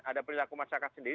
ada perilaku masyarakat sendiri